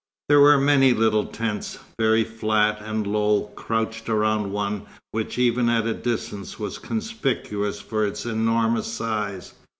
There were many little tents, very flat and low, crouched around one which even at a distance was conspicuous for its enormous size.